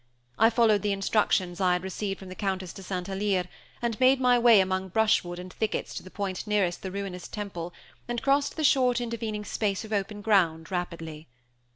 I followed the instructions I had received from the Countess de St. Alyre, and made my way among brushwood and thickets to the point nearest the ruinous temple, and crossed the short intervening space of open ground rapidly.